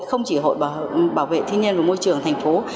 không chỉ hội bảo vệ thiên nhiên và môi trường thành phố